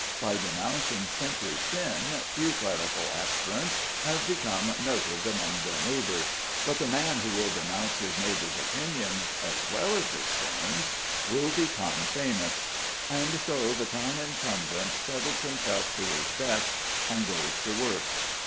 By denouncing simply sin few clerical aspirants have become noted among their neighbours, but the man who will denounce his neighbours' opinions as well as his sins will become famous. And so the town incumbent settles himself to his desk and goes to work.